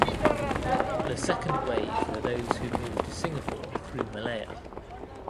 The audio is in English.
The second wave were those who moved to Singapore through Malaya.